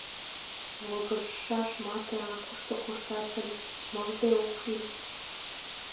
— Волгыжшаш марте ала-кушто коштат гын, малыде ок лийыс...